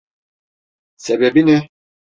Sebebi ne?